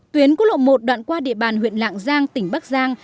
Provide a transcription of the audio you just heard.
tuyến cú lộ một đoạn qua địa bàn huyện lạng giang tỉnh bắc giang